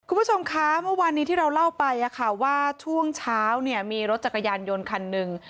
คุณผู้ชมคะเมื่อวานนี้ที่เราเล่าไปว่าช่วงเช้าเนี่ยมีรถจักรยานยนต์คันหนึ่ง